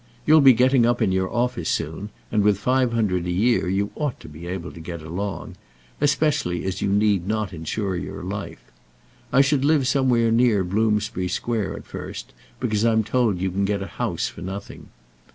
You'll be getting up in your office soon, and with five hundred a year you ought to be able to get along; especially as you need not insure your life. I should live somewhere near Bloomsbury Square at first, because I'm told you can get a house for nothing.